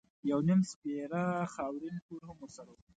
یو نیم سپېره خاورین کور هم ورسره و.